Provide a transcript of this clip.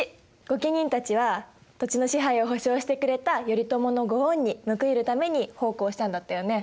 御家人たちは土地の支配を保証してくれた頼朝の御恩に報いるために奉公したんだったよね。